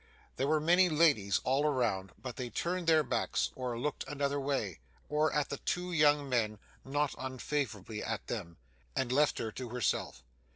There were many ladies all around, but they turned their backs, or looked another way, or at the two young men (not unfavourably at them), and left her to herself.